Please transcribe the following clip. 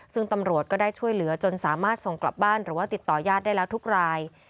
ซึ่งตำรวจก็ได้ช่วยเหลือจนสามารถส่งกลับบ้านหรือว่าติดต่อยาดได้แล้วทุกราย